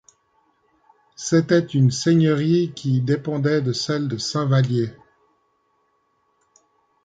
C'était une seigneurie qui dépendait de celle de Saint-Vallier.